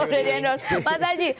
terima kasih udi